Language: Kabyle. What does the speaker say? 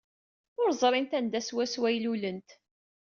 Ur ẓrint anda swaswa ay lulent.